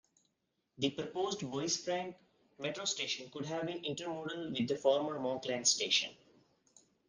The "proposed Bois-Franc" metro station could have been intermodal with the former Monkland station.